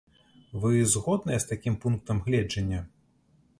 Вы згодныя з такім пунктам гледжання?